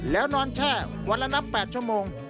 แล้วนอนแช่วันละนับ๘ชั่วโมง